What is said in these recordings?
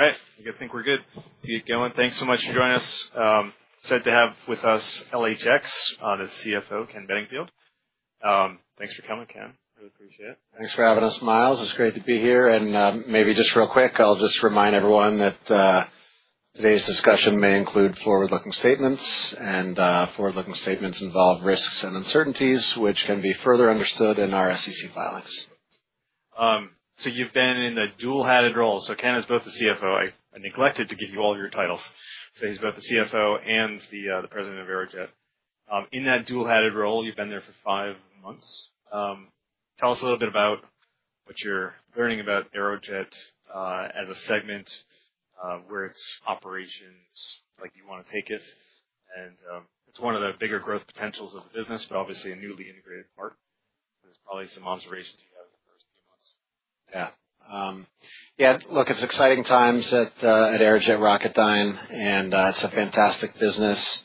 All right. I think we're good. To get going, thanks so much for joining us. Excited to have with us LHX's [honest] CFO, Ken Bedingfield. Thanks for coming, Ken. Really appreciate it. Thanks for having us, Miles. It's great to be here. Maybe just real quick, I'll just remind everyone that today's discussion may include forward-looking statements, and forward-looking statements involve risks and uncertainties, which can be further understood in our SEC filings. You've been in a dual-headed role. Ken is both the CFO. I neglected to give you all your titles. He's both the CFO and the President of Aerojet. In that dual-headed role, you've been there for five months. Tell us a little bit about what you're learning about Aerojet, as a segment, where its operations are, like you want to take it. It's one of the bigger growth potentials of the business, but obviously a newly integrated part. There are probably some observations you have in the first few months. Yeah. Yeah, look, it's exciting times at Aerojet Rocketdyne, and it's a fantastic business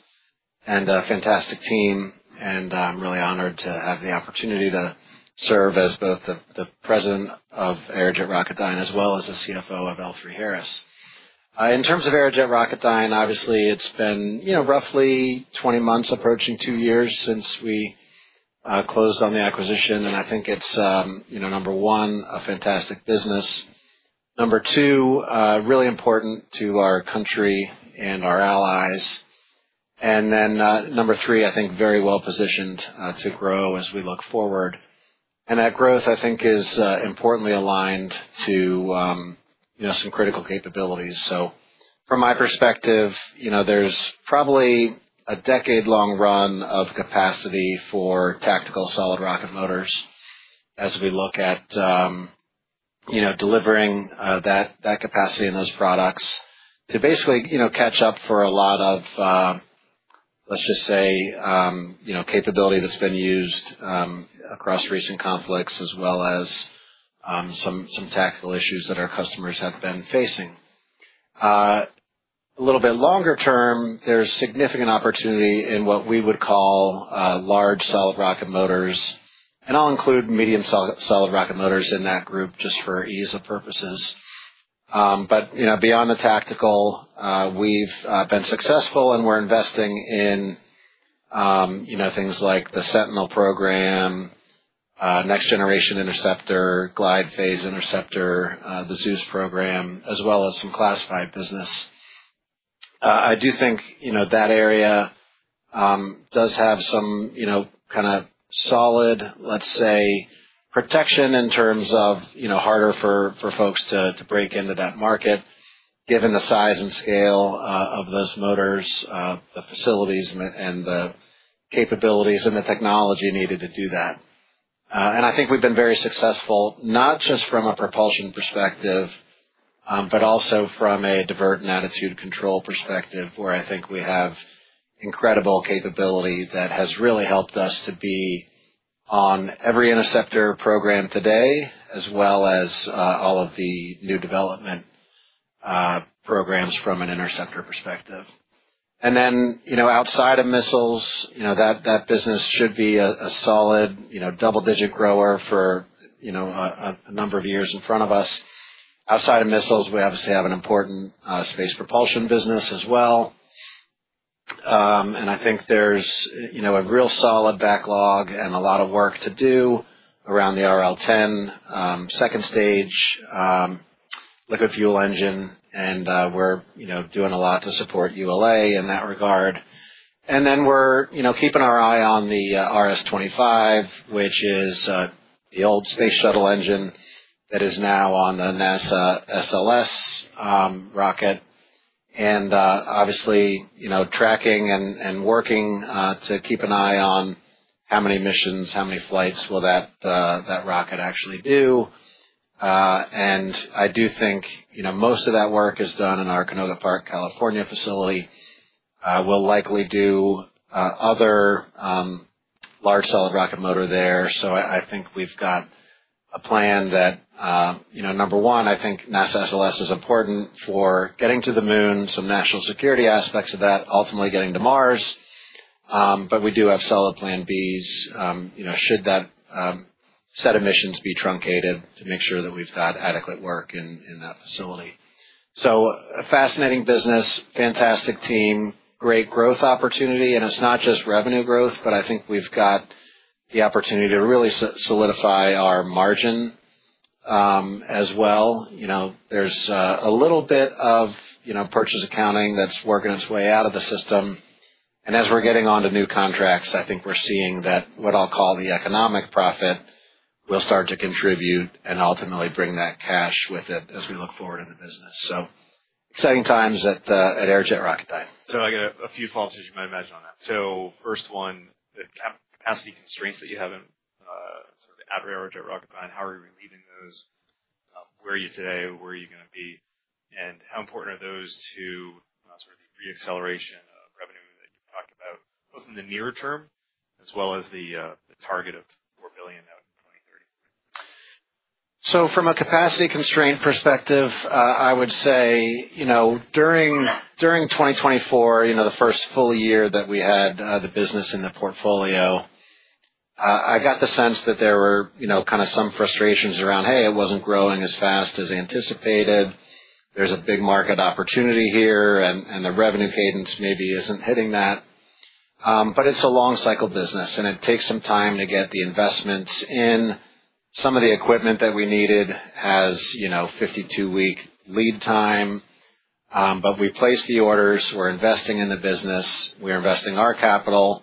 and a fantastic team. Really honored to have the opportunity to serve as both the President of Aerojet Rocketdyne as well as the CFO of L3Harris. In terms of Aerojet Rocketdyne, obviously it's been, you know, roughly 20 months, approaching two years since we closed on the acquisition. I think it's, you know, number one, a fantastic business. Number two, really important to our country and our allies. Number three, I think very well positioned to grow as we look forward. That growth, I think, is importantly aligned to, you know, some critical capabilities. From my perspective, you know, there's probably a decade-long run of capacity for tactical solid rocket motors as we look at, you know, delivering that capacity and those products to basically, you know, catch up for a lot of, let's just say, you know, capability that's been used across recent conflicts as well as some tactical issues that our customers have been facing. A little bit longer term, there's significant opportunity in what we would call large solid rocket motors. I'll include medium solid rocket motors in that group just for ease of purposes. You know, beyond the tactical, we've been successful and we're investing in, you know, things like the Sentinel program, Next Generation Interceptor, Glide Phase Interceptor, the Zeus program, as well as some classified business. I do think, you know, that area does have some, you know, kinda solid, let's say, protection in terms of, you know, harder for folks to break into that market given the size and scale of those motors, the facilities, and the capabilities and the technology needed to do that. I think we've been very successful, not just from a propulsion perspective, but also from a divert and attitude control perspective where I think we have incredible capability that has really helped us to be on every interceptor program today as well as all of the new development programs from an interceptor perspective. You know, outside of missiles, you know, that business should be a solid, you know, double-digit grower for a number of years in front of us. Outside of missiles, we obviously have an important space propulsion business as well. I think there's, you know, a real solid backlog and a lot of work to do around the RL10, second stage, liquid fuel engine. We're, you know, doing a lot to support ULA in that regard. We're, you know, keeping our eye on the RS-25, which is the old space shuttle engine that is now on the NASA SLS rocket. Obviously, you know, tracking and working to keep an eye on how many missions, how many flights will that rocket actually do. I do think, you know, most of that work is done in our Canoga Park, California facility. We'll likely do other large solid rocket motor there. I think we've got a plan that, you know, number one, I think NASA SLS is important for getting to the moon, some national security aspects of that, ultimately getting to Mars. We do have solid plan Bs, you know, should that set of missions be truncated to make sure that we've got adequate work in that facility. A fascinating business, fantastic team, great growth opportunity. It's not just revenue growth, but I think we've got the opportunity to really solidify our margin, as well. You know, there's a little bit of, you know, purchase accounting that's working its way out of the system. As we're getting onto new contracts, I think we're seeing that what I'll call the economic profit will start to contribute and ultimately bring that cash with it as we look forward in the business. Exciting times at Aerojet Rocketdyne. I got a few follow-ups, as you might imagine on that. First one, the capacity constraints that you have in, sort of the outer Aerojet Rocketdyne, how are you relieving those? Where are you today? Where are you gonna be? And how important are those to, sort of the reacceleration of revenue that you've talked about, both in the near term as well as the target of $4 billion out in 2030? From a capacity constraint perspective, I would say, you know, during 2024, you know, the first full year that we had the business in the portfolio, I got the sense that there were, you know, kinda some frustrations around, hey, it was not growing as fast as anticipated. There is a big market opportunity here, and the revenue cadence maybe is not hitting that. It is a long-cycle business, and it takes some time to get the investments in. Some of the equipment that we needed has, you know, 52-week lead time. We placed the orders. We are investing in the business. We are investing our capital.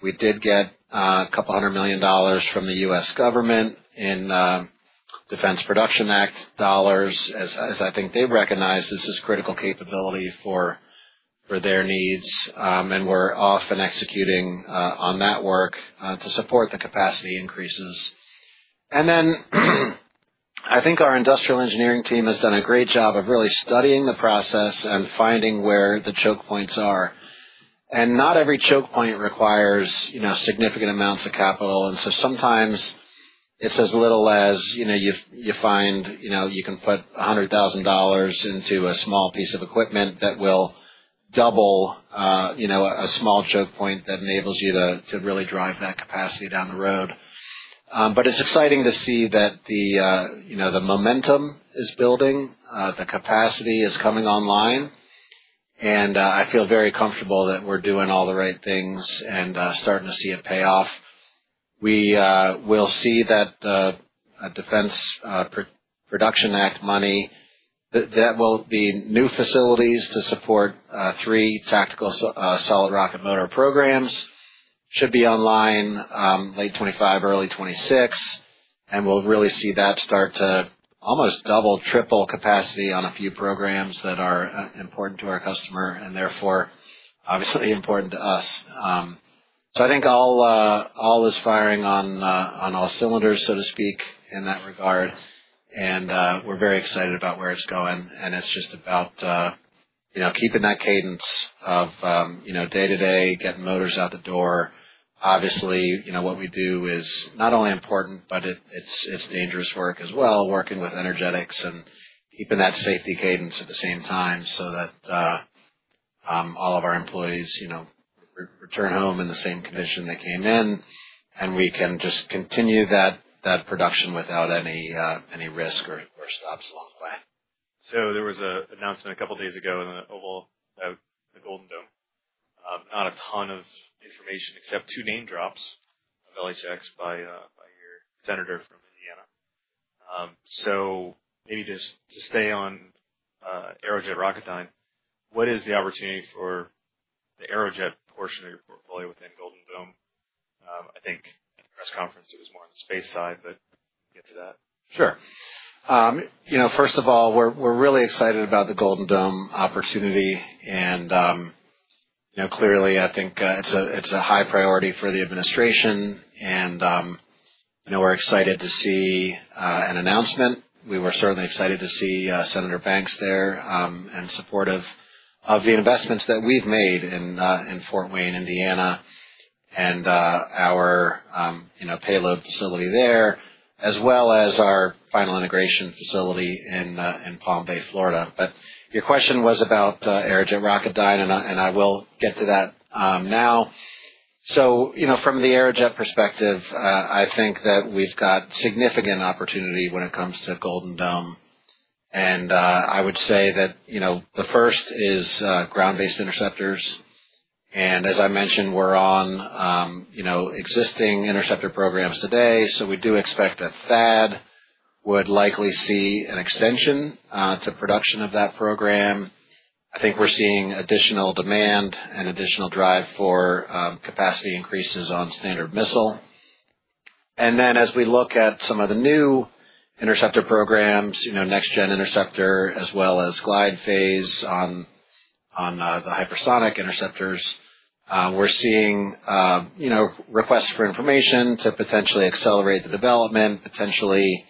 We did get a couple hundred million dollars from the U.S. government in Defense Production Act dollars as, as I think they have recognized this is critical capability for their needs. We are off and executing on that work to support the capacity increases. I think our industrial engineering team has done a great job of really studying the process and finding where the choke points are. Not every choke point requires, you know, significant amounts of capital. Sometimes it's as little as, you know, you find, you can put $100,000 into a small piece of equipment that will double a small choke point that enables you to really drive that capacity down the road. It is exciting to see that the momentum is building, the capacity is coming online. I feel very comfortable that we're doing all the right things and starting to see it pay off. We will see that Defense Production Act money, that will be new facilities to support three tactical solid rocket motor programs, should be online late 2025, early 2026. We'll really see that start to almost double, triple capacity on a few programs that are important to our customer and therefore obviously important to us. I think all is firing on all cylinders, so to speak, in that regard. We're very excited about where it's going. It's just about, you know, keeping that cadence of, you know, day-to-day, getting motors out the door. Obviously, you know, what we do is not only important, but it's dangerous work as well, working with energetics and keeping that safety cadence at the same time so that all of our employees, you know, return home in the same condition they came in, and we can just continue that production without any risk or stops along the way. There was an announcement a couple days ago in the Oval at the Golden Dome, not a ton of information except two name drops of LHX by your senator from Indiana. Maybe just to stay on Aerojet Rocketdyne, what is the opportunity for the Aerojet portion of your portfolio within Golden Dome? I think at the press conference it was more on the space side, but get to that. Sure. You know, first of all, we're really excited about the Golden Dome opportunity. You know, clearly, I think it's a high priority for the administration. You know, we're excited to see an announcement. We were certainly excited to see Senator Banks there, and supportive of the investments that we've made in Fort Wayne, Indiana, and our payload facility there, as well as our final integration facility in Palm Bay, Florida. Your question was about Aerojet Rocketdyne, and I will get to that now. You know, from the Aerojet perspective, I think that we've got significant opportunity when it comes to Golden Dome. I would say that the first is ground-based interceptors. As I mentioned, we're on existing interceptor programs today. We do expect that THAAD would likely see an extension to production of that program. I think we're seeing additional demand and additional drive for capacity increases on Standard Missile. As we look at some of the new interceptor programs, you know, Next Generation Interceptor as well as Glide Phase on the hypersonic interceptors, we're seeing, you know, requests for information to potentially accelerate the development, potentially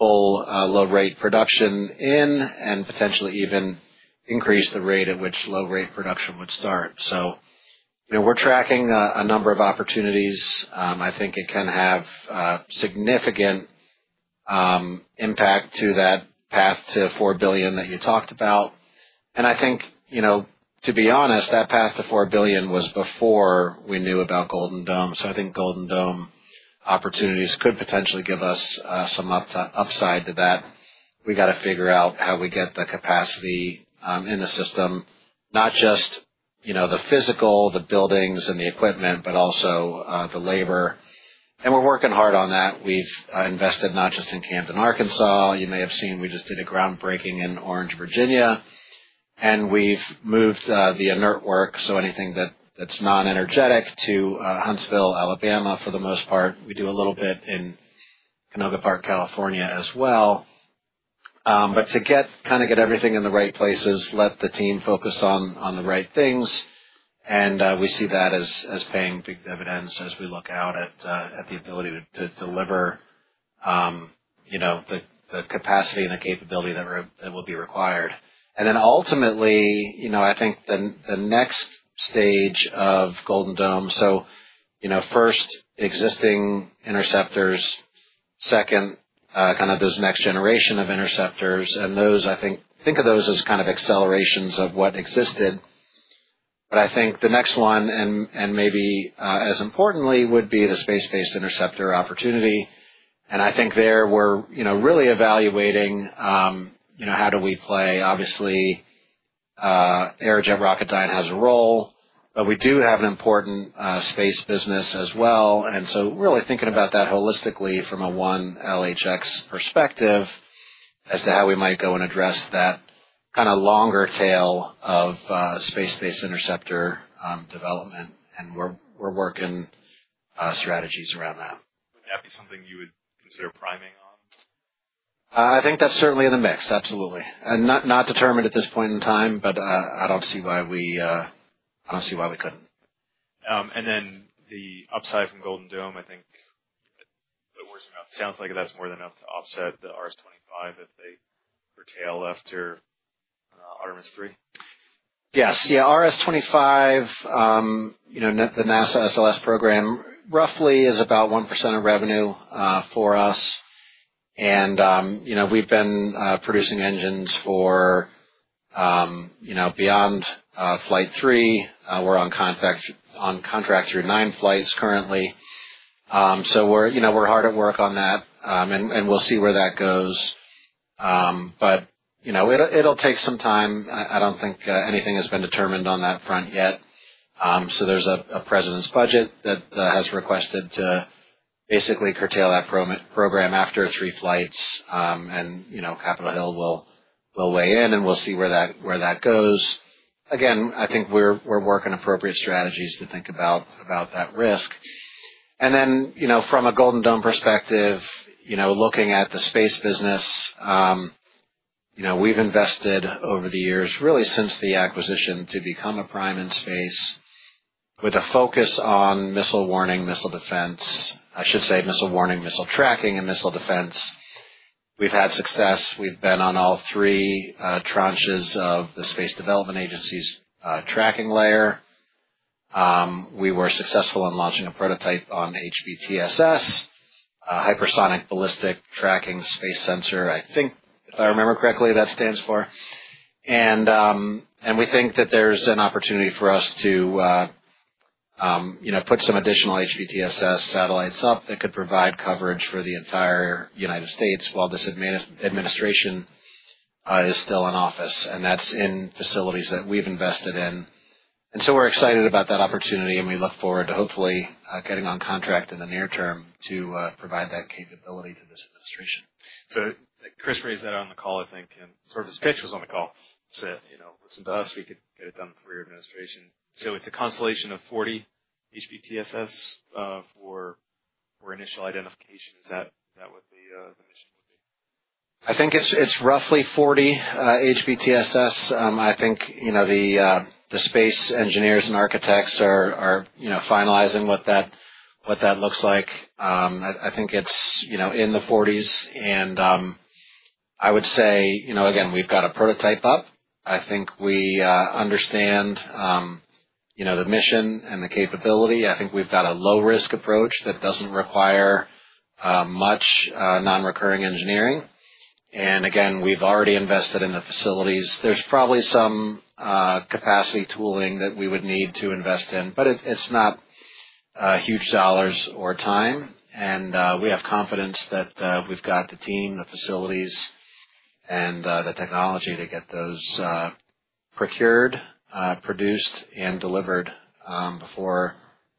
pull low-rate production in, and potentially even increase the rate at which low-rate production would start. You know, we're tracking a number of opportunities. I think it can have significant impact to that path to $4 billion that you talked about. To be honest, that path to $4 billion was before we knew about Golden Dome. I think Golden Dome opportunities could potentially give us some upside to that. We gotta figure out how we get the capacity in the system, not just, you know, the physical, the buildings, and the equipment, but also the labor. We're working hard on that. We've invested not just in Camden, Arkansas. You may have seen we just did a groundbreaking in Orange, Virginia. We've moved the inert work, so anything that's non-energetic, to Huntsville, Alabama for the most part. We do a little bit in Canoga Park, California as well. To get everything in the right places, let the team focus on the right things. We see that as paying big dividends as we look out at the ability to deliver, you know, the capacity and the capability that will be required. Ultimately, you know, I think the next stage of Golden Dome, so, you know, first, existing interceptors, second, kinda those next generation of interceptors. Those, I think, think of those as kind of accelerations of what existed. I think the next one, and maybe as importantly, would be the space-based interceptor opportunity. I think there we're, you know, really evaluating, you know, how do we play. Obviously, Aerojet Rocketdyne has a role, but we do have an important space business as well. Really thinking about that holistically from a one LHX perspective as to how we might go and address that kinda longer tail of space-based interceptor development. We're working strategies around that. Would that be something you would consider priming on? I think that's certainly in the mix. Absolutely. Not determined at this point in time, but I don't see why we couldn't. and then the upside from Golden Dome, I think, but worse about sounds like that's more than enough to offset the RS-25 if they curtail after Artemis III? Yes. Yeah. RS-25, you know, the NASA SLS program roughly is about 1% of revenue for us. And, you know, we've been producing engines for, you know, beyond flight three. We're on contract through nine flights currently. So we're, you know, we're hard at work on that, and we'll see where that goes. You know, it'll take some time. I don't think anything has been determined on that front yet. There is a President's budget that has requested to basically curtail that program after three flights, and, you know, Capitol Hill will weigh in, and we'll see where that goes. Again, I think we're working appropriate strategies to think about that risk. Then, you know, from a Golden Dome perspective, you know, looking at the space business, you know, we've invested over the years, really since the acquisition, to become a prime in space with a focus on missile warning, missile defense. I should say missile warning, missile tracking, and missile defense. We've had success. We've been on all three tranches of the Space Development Agency's tracking layer. We were successful in launching a prototype on HBTSS, Hypersonic and Ballistic Tracking Space Sensor, I think, if I remember correctly, that stands for. And we think that there's an opportunity for us to, you know, put some additional HBTSS satellites up that could provide coverage for the entire United States while this administration is still in office. And that's in facilities that we've invested in. We're excited about that opportunity, and we look forward to hopefully getting on contract in the near term to provide that capability to this administration. Chris raised that on the call, I think, and sort of his pitch was on the call. Said, you know, "Listen to us. We could get it done through your administration." It is a constellation of 40 HBTSS, for initial identification. Is that what the mission would be? I think it's roughly 40, HBTSS. I think, you know, the space engineers and architects are, you know, finalizing what that looks like. I think it's, you know, in the 40s. I would say, you know, again, we've got a prototype up. I think we understand, you know, the mission and the capability. I think we've got a low-risk approach that doesn't require much non-recurring engineering. Again, we've already invested in the facilities. There's probably some capacity tooling that we would need to invest in, but it's not huge dollars or time. We have confidence that we've got the team, the facilities, and the technology to get those procured, produced, and delivered before,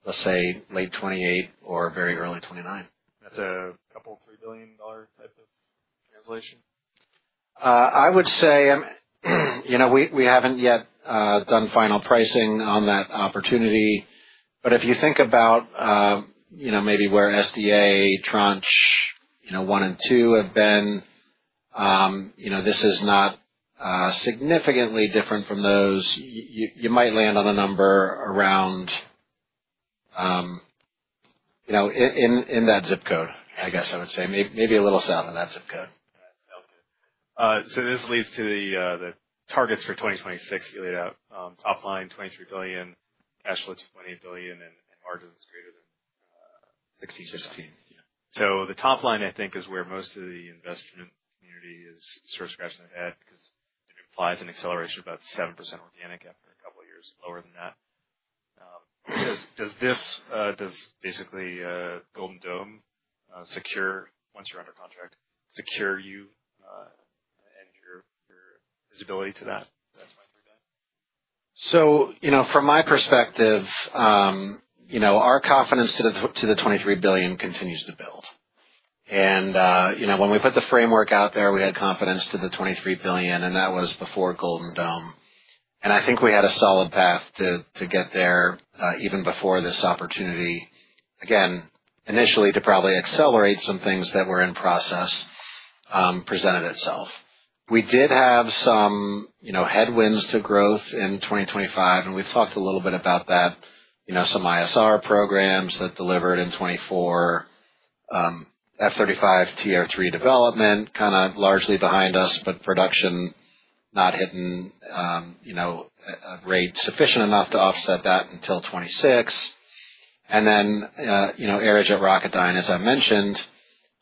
let's say, late 2028 or very early 2029. That's a couple $3 billion type of translation. I would say, you know, we haven't yet done final pricing on that opportunity. But if you think about, you know, maybe where SDA tranche one and two have been, you know, this is not significantly different from those. You might land on a number around, you know, in that zip code, I guess I would say. Maybe a little south of that zip code. That sounds good. So this leads to the targets for 2026 you laid out. Top line, $23 billion, cash flow $2.8 billion, and margins greater than [15%-16%]. Yeah. The top line, I think, is where most of the investment community is sort of scratching their head because it implies an acceleration of about 7% organic after a couple years lower than that. Does, does this, does basically, Golden Dome, once you're under contract, secure you and your visibility to that $23 billion? You know, from my perspective, you know, our confidence to the, to the $23 billion continues to build. You know, when we put the framework out there, we had confidence to the $23 billion, and that was before Golden Dome. I think we had a solid path to, to get there, even before this opportunity. Again, initially, to probably accelerate some things that were in process, presented itself. We did have some, you know, headwinds to growth in 2025, and we've talked a little bit about that, you know, some ISR programs that delivered in 2024, F-35 TR-3 development, kinda largely behind us, but production not hitting, you know, a, a rate sufficient enough to offset that until 2026. Then, you know, Aerojet Rocketdyne, as I mentioned,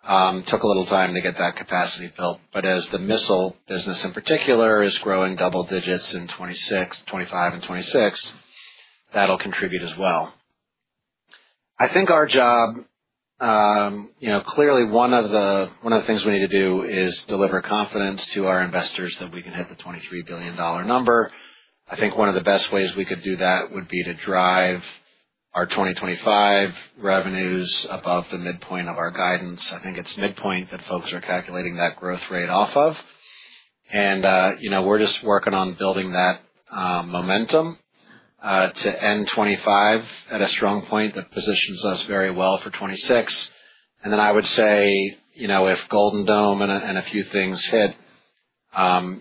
took a little time to get that capacity built. As the missile business in particular is growing double digits in 2025 and 2026, that'll contribute as well. I think our job, you know, clearly one of the things we need to do is deliver confidence to our investors that we can hit the $23 billion number. I think one of the best ways we could do that would be to drive our 2025 revenues above the midpoint of our guidance. I think it's midpoint that folks are calculating that growth rate off of. And, you know, we're just working on building that momentum, to end 2025 at a strong point that positions us very well for 2026. I would say, you know, if Golden Dome and a few things hit,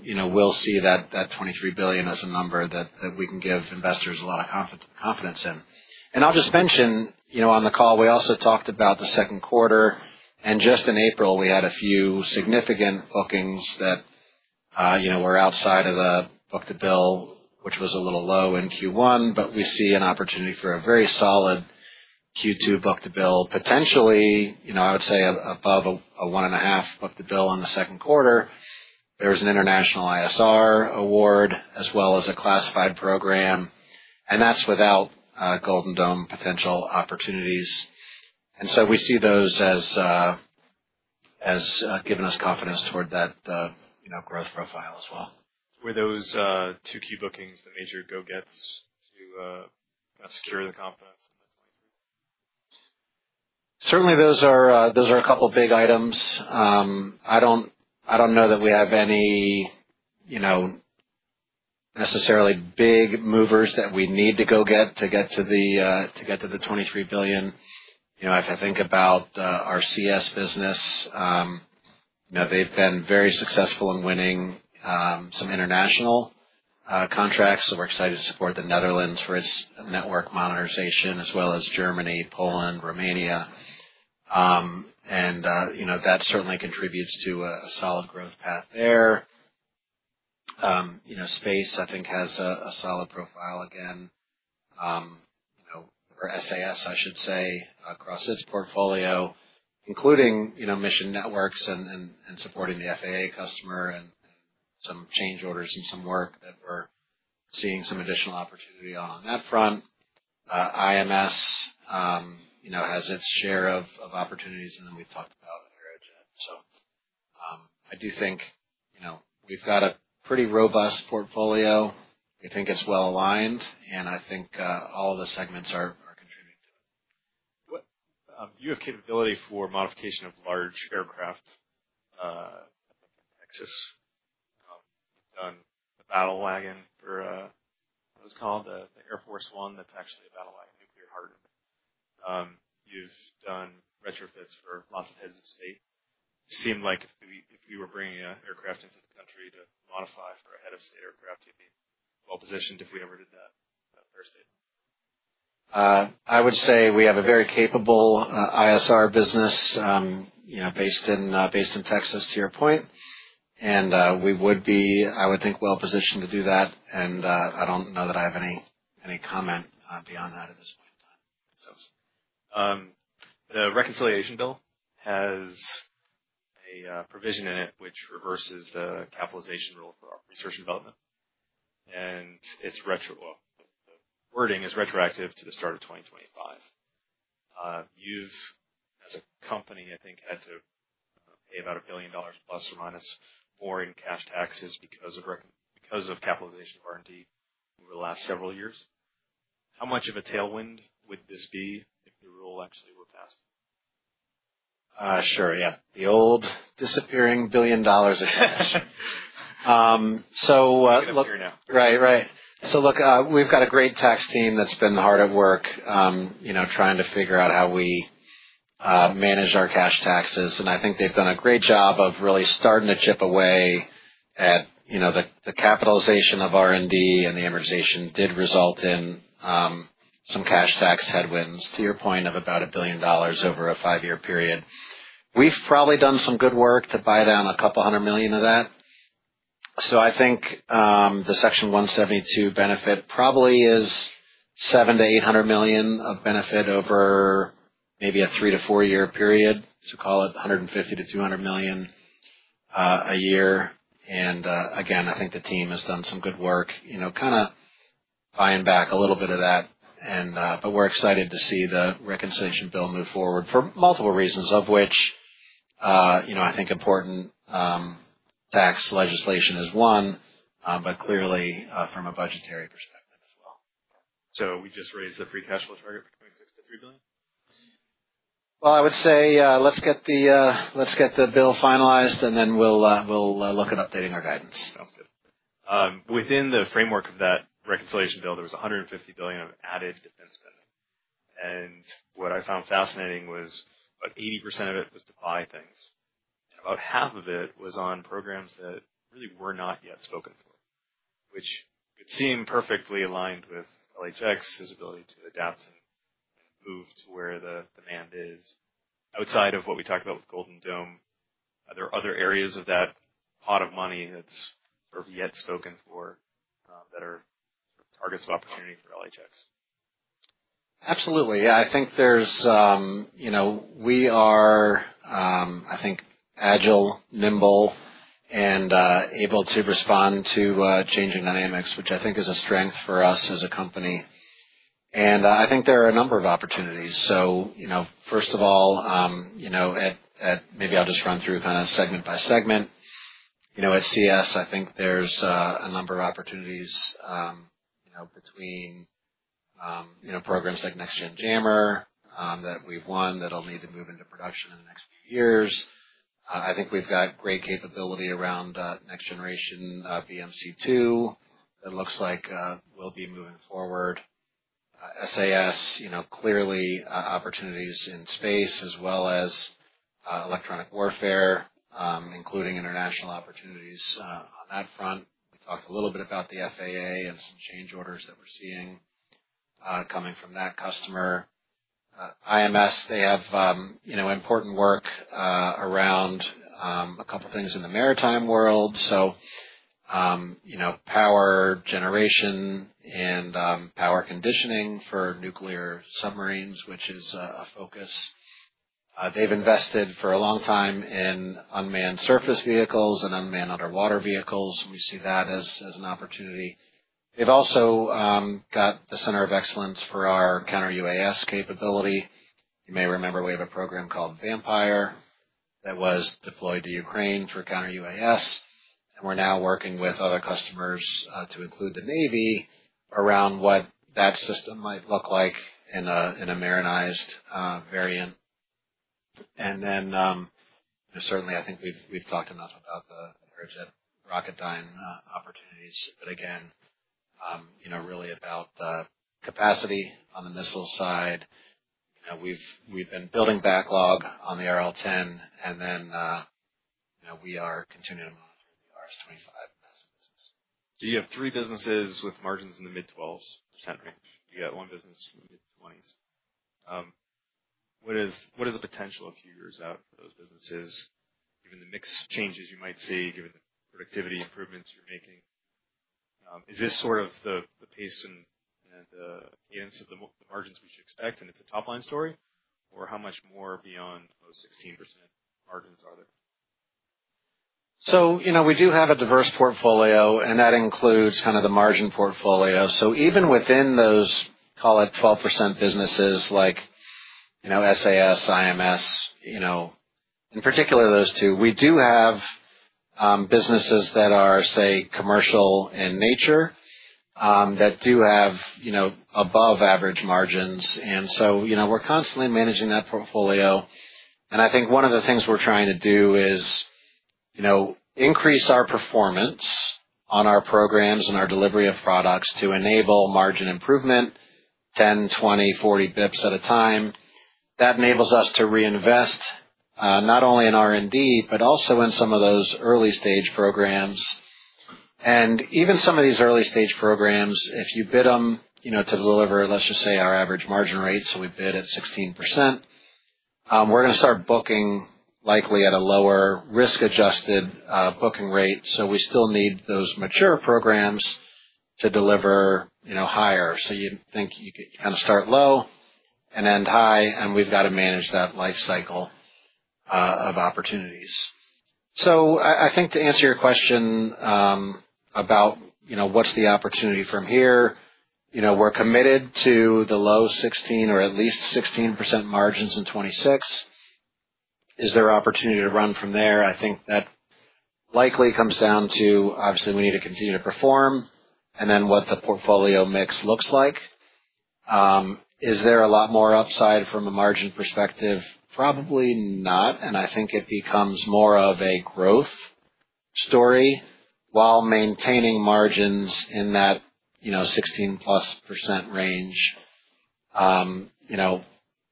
you know, we'll see that $23 billion as a number that we can give investors a lot of confidence in. I'll just mention, you know, on the call, we also talked about the second quarter. Just in April, we had a few significant bookings that, you know, were outside of the book-to-bill, which was a little low in Q1, but we see an opportunity for a very solid Q2 book-to-bill, potentially, you know, I would say, above a one-and-a-half book-to-bill in the second quarter. There was an international ISR award as well as a classified program, and that's without Golden Dome potential opportunities. We see those as giving us confidence toward that, you know, growth profile as well. Were those two key bookings the major go-gets to secure the confidence in the [2023]? Certainly, those are a couple big items. I don't know that we have any, you know, necessarily big movers that we need to go get to get to the $23 billion. You know, if I think about our CS business, you know, they've been very successful in winning some international contracts. So we're excited to support the Netherlands for its network monetization, as well as Germany, Poland, Romania, and, you know, that certainly contributes to a solid growth path there. You know, space, I think, has a solid profile again, you know, or SAS, I should say, across its portfolio, including, you know, mission networks and supporting the FAA customer and some change orders and some work that we're seeing some additional opportunity on that front. IMS, you know, has its share of opportunities, and then we've talked about Aerojet. I do think, you know, we've got a pretty robust portfolio. We think it's well aligned, and I think all of the segments are contributing to it. What, you have capability for modification of large aircraft, I think in Texas. You've done the battle wagon for, what was it called, the, the Air Force One that's actually a battle wagon, nuclear hardened. You've done retrofits for lots of heads of state. Seemed like if we, if we were bringing a aircraft into the country to modify for a head of state aircraft, you'd be well positioned if we ever did that, for a state? I would say we have a very capable ISR business, you know, based in Texas, to your point. We would be, I would think, well positioned to do that. I do not know that I have any comment beyond that at this point in time. That sounds good. The reconciliation bill has a provision in it which reverses the capitalization rule for research and development, and it is retro, well, the wording is retroactive to the start of 2025. You have, as a company, I think, had to pay about $1 billion± more in cash taxes because of capitalization of R&D over the last several years. How much of a tailwind would this be if the rule actually were passed? Sure. Yeah. The old disappearing billion dollars of cash. So, look. You can't hear now. Right, right. Look, we've got a great tax team that's been hard at work, you know, trying to figure out how we manage our cash taxes. I think they've done a great job of really starting to chip away at, you know, the capitalization of R&D and the amortization did result in some cash tax headwinds, to your point, of about $1 billion over a five-year period. We've probably done some good work to buy down a couple hundred million of that. I think the Section 172 benefit probably is $700 million-$800 million of benefit over maybe a three to four-year period, to call it $150 million-$200 million a year. Again, I think the team has done some good work, you know, kinda buying back a little bit of that. We're excited to see the reconciliation bill move forward for multiple reasons, of which, you know, I think important, tax legislation is one, but clearly, from a budgetary perspective as well. We just raised the free cash flow target for 2026 to $3 billion? I would say, let's get the, let's get the bill finalized, and then we'll, we'll, look at updating our guidance. Sounds good. Within the framework of that reconciliation bill, there was $150 billion of added defense spending. What I found fascinating was about 80% of it was to buy things, and about half of it was on programs that really were not yet spoken for, which would seem perfectly aligned with LHX's ability to adapt and move to where the demand is. Outside of what we talked about with Golden Dome, are there other areas of that pot of money that's sort of yet spoken for, that are targets of opportunity for LHX? Absolutely. Yeah. I think there's, you know, we are, I think, agile, nimble, and able to respond to changing dynamics, which I think is a strength for us as a company. I think there are a number of opportunities. First of all, at, at maybe I'll just run through kinda segment by segment. At CS, I think there's a number of opportunities, you know, between programs like Next Gen Jammer that we've won that'll need to move into production in the next few years. I think we've got great capability around next generation BMC2 that looks like we'll be moving forward. SAS, you know, clearly, opportunities in space as well as electronic warfare, including international opportunities on that front. We talked a little bit about the FAA and some change orders that we're seeing coming from that customer. IMS, they have, you know, important work, around, a couple things in the maritime world. You know, power generation and, power conditioning for nuclear submarines, which is, a focus. They've invested for a long time in unmanned surface vehicles and unmanned underwater vehicles. We see that as, as an opportunity. They've also got the Center of Excellence for our counter-UAS capability. You may remember we have a program called VAMPIRE that was deployed to Ukraine for counter-UAS. We're now working with other customers, to include the Navy around what that system might look like in a, in a marinized, variant. You know, certainly, I think we've talked enough about the Aerojet Rocketdyne, opportunities. Again, you know, really about the capacity on the missile side. You know, we've been building backlog on the RL10, and then, you know, we are continuing to monitor the RS-25 massive business. You have three businesses with margins in the mid-12% range. You got one business in the mid-20%. What is, what is the potential a few years out for those businesses, given the mix changes you might see, given the productivity improvements you're making? Is this sort of the pace and cadence of the margins we should expect and it's a top-line story, or how much more beyond those 16% margins are there? You know, we do have a diverse portfolio, and that includes kinda the margin portfolio. Even within those, call it 12% businesses, like, you know, SAS, IMS, you know, in particular those two, we do have businesses that are, say, commercial in nature, that do have, you know, above-average margins. You know, we're constantly managing that portfolio. I think one of the things we're trying to do is, you know, increase our performance on our programs and our delivery of products to enable margin improvement, 10, 20, 40 basis points at a time. That enables us to reinvest, not only in R&D but also in some of those early-stage programs. Even some of these early-stage programs, if you bid them, you know, to deliver, let's just say, our average margin rate, so we bid at 16%, we're gonna start booking likely at a lower risk-adjusted booking rate. We still need those mature programs to deliver, you know, higher. You think you could kinda start low and end high, and we've gotta manage that life cycle of opportunities. I think to answer your question about, you know, what's the opportunity from here, you know, we're committed to the low 16 or at least 16% margins in 2026. Is there opportunity to run from there? I think that likely comes down to, obviously, we need to continue to perform and then what the portfolio mix looks like. Is there a lot more upside from a margin perspective? Probably not. I think it becomes more of a growth story while maintaining margins in that, you know, 16% plus range. You know,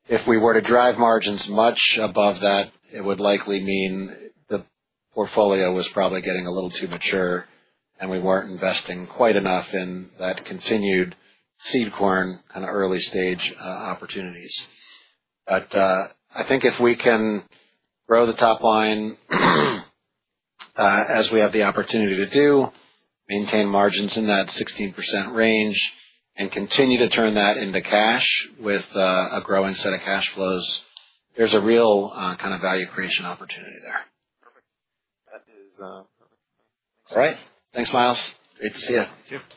if we were to drive margins much above that, it would likely mean the portfolio was probably getting a little too mature, and we were not investing quite enough in that continued seed corn kinda early-stage, opportunities. I think if we can grow the top line, as we have the opportunity to do, maintain margins in that 16% range, and continue to turn that into cash with a growing set of cash flows, there is a real, kinda value creation opportunity there. Perfect. That is, perfect. Thanks. All right. Thanks, Miles. Great to see you. You too.